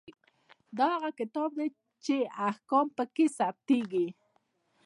دا هغه کتاب دی چې احکام پکې ثبتیږي.